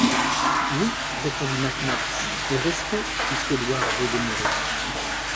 Oui, répondit Mac Nabbs, et restons, puisque Edward veut demeurer!